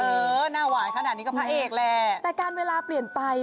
เออหน้าหวานขนาดนี้ก็พระเอกแหละแต่การเวลาเปลี่ยนไป